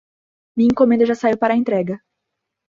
Minha encomenda já saiu para a entrega.